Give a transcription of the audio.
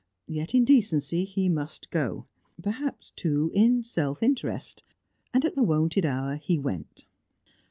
Yet in decency he must go; perhaps, too, in self interest. And at the wonted hour he went.